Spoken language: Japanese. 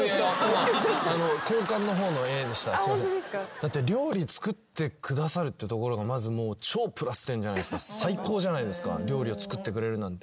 だって料理作ってくださるっていうところがまず超プラス点じゃないですか最高じゃないですか料理を作ってくれるなんて。